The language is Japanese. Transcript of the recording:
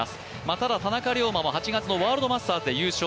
ただ田中龍馬も８月のワールドマスターズで優勝。